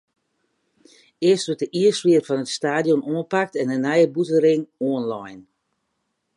Earst wurdt de iisflier fan it stadion oanpakt en de nije bûtenring oanlein.